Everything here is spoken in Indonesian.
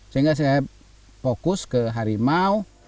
sehingga saya fokus ke harimau